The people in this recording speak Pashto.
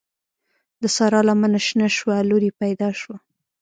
د سارا لمنه شنه شوه؛ لور يې پیدا شوه.